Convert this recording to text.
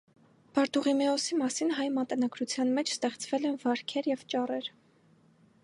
Բարդուղիմեոսի մասին հայ մատենագրության մեջ ստեղծվել են վարքեր և ճառեր։